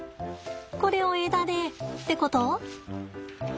これを枝でってこと？